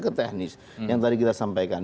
ke teknis yang tadi kita sampaikan